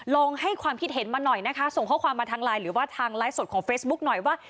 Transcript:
ลองให้ความคิดเห็นมาหน่อยนะคะส่งข้อความมาทางไลน์หรือว่าทางไลฟ์สดของเฟซบุ๊กหน่อยว่า